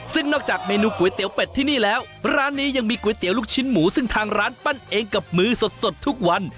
ซึ่งนอกจากเมนูก๋วยเตี๋ยวเป็ดที่นี่แล้วร้านนี้ยังมีก๋วยเตี๋ยวลูกชิ้นหมูซึ่งทางร้านปั้นเองกับมือสดทุกวัน